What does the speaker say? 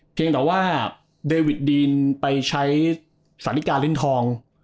เพียงแต่ว่าเดวิดดีนไปใช้สตลิซ์ทรอง